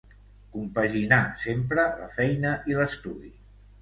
Compaginà sempre la feina i l'estudi.